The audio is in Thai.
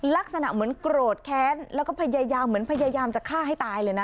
ลักษณะเหมือนโกรธแค้นแล้วก็พยายามเหมือนพยายามจะฆ่าให้ตายเลยนะ